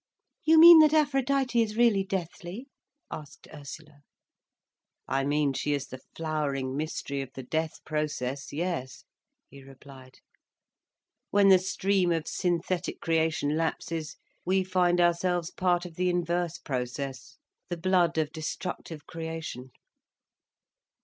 "You mean that Aphrodite is really deathly?" asked Ursula. "I mean she is the flowering mystery of the death process, yes," he replied. "When the stream of synthetic creation lapses, we find ourselves part of the inverse process, the blood of destructive creation.